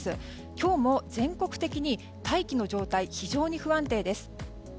今日も全国的に大気の状態、非常に不安定です。